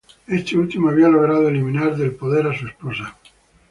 Este último había logrado eliminar del poder a su esposa.